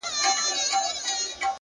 هره ورځ د نوې هیلې کړکۍ ده.